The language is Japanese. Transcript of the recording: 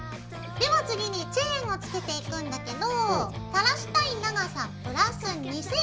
では次にチェーンをつけていくんだけど垂らしたい長さプラス２ｃｍで切ります。